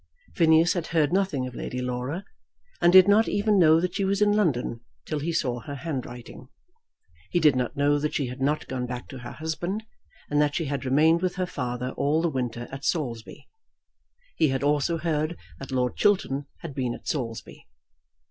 Phineas had heard nothing of Lady Laura, and did not even know that she was in London till he saw her handwriting. He did not know that she had not gone back to her husband, and that she had remained with her father all the winter at Saulsby. He had also heard that Lord Chiltern had been at Saulsby.